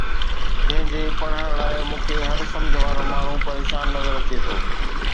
جنهن جي پڙهڻ لاءِ مون کي هر سمجهه وارو ماڻهو پريشان نظر اچي ٿو